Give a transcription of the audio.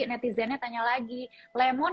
netizennya tanya lagi lemon